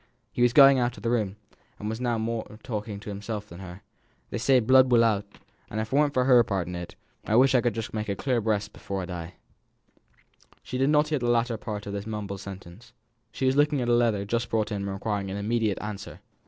He was going out of the room, and was now more talking to himself than to her. "They say blood will out, and if it weren't for her part in it, I could wish for a clear breast before I die." She did not hear the latter part of this mumbled sentence. She was looking at a letter just brought in and requiring an immediate answer.